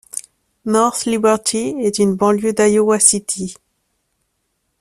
North Liberty est une banlieue d’Iowa City.